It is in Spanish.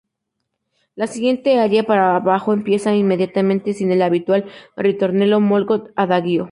La siguiente aria para bajo empieza inmediatamente, sin el habitual "ritornello", "molt adagio".